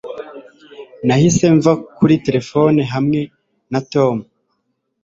nahise mva kuri terefone hamwe na tom